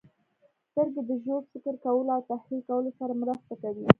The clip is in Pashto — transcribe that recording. • سترګې د ژور فکر کولو او تحلیل کولو سره مرسته کوي.